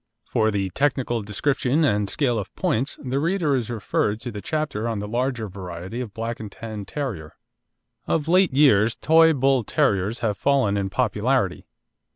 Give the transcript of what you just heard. For the technical description and scale of points the reader is referred to the chapter on the larger variety of Black and Tan Terrier. Of late years Toy Bull terriers have fallen in popularity.